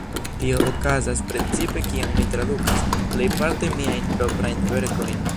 Tio okazas precipe kiam mi tradukas, plejparte miajn proprajn verkojn.